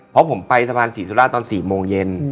เพราะผมไปสะพานศรีสุราชตอน๔โมงเย็น